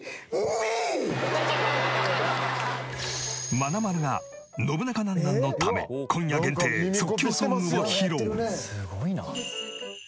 まなまるが『ノブナカなんなん？』のため今夜限定即興ソングを披露。